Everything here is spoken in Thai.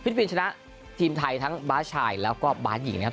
ปินส์ชนะทีมไทยทั้งบาสชายแล้วก็บาสหญิงนะครับ